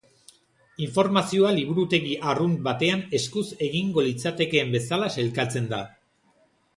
Informazioa liburutegi arrunt batean eskuz egingo litzatekeen bezala sailkatzen da.